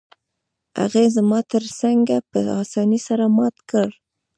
هغې زما تره څنګه په اسانۍ سره مات کړ؟